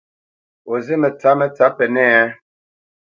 O zí mətsǎpmə tsǎp Pənɛ́a a ?